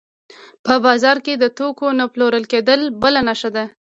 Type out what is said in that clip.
په بازار کې د توکو نه پلورل کېدل بله نښه ده